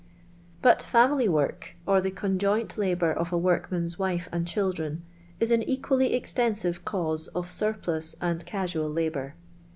But family work, or the conjoint iahour of a workman*g wife and children, is an equally exten aive cause of surplus and casual labour.